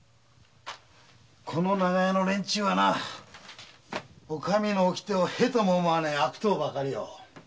この長屋の連中はお上の掟を屁とも思わねぇ悪党ばかりよ。